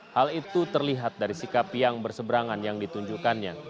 hal itu terlihat dari sikap yang berseberangan yang ditunjukkannya